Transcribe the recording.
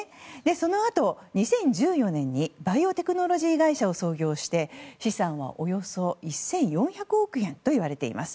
そのあと、２０１４年にバイオテクノロジー会社を創業して資産はおよそ１４００億円といわれています。